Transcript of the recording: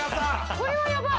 これはやばい！